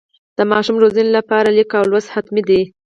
د ماشوم روزنې لپاره لیک او لوست حتمي ده.